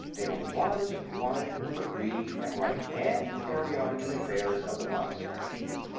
There was one who could read and write and carry on the affairs of the monastery.